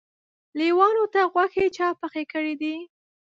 لېوانو ته غوښې چا پخې کړی دي.